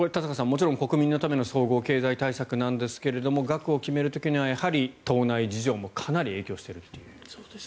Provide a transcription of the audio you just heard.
もちろん国民のための総合経済対策なんですが額を決める時にはやはり党内事情もかなり影響しているという。